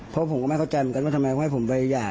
เพราะผมก็ไม่เข้าใจเหมือนกันว่าทำไมเขาให้ผมไปหย่า